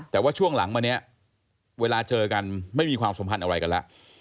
แต่ว่าช่วงหลังมาเนี่ยเวลาเจอกันไม่มีความสัมพันธ์อะไรกันแล้ว